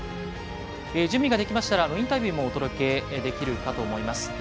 準備ができましたらインタビューもお届けできるかと思います。